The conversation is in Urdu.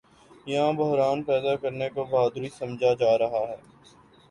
یہاں بحران پیدا کرنے کو بہادری سمجھا جا رہا ہے۔